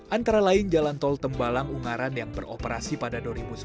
antara lain jalan tol tembalang ungaran yang beroperasi pada dua ribu sembilan belas